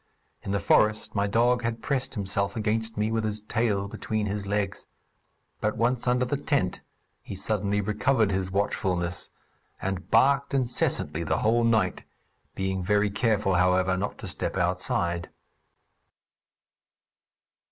In the forest my dog had pressed himself against me, with his tail between his legs; but once under the tent, he suddenly recovered his watchfulness, and barked incessantly the whole night, being very careful, however, not to step outside.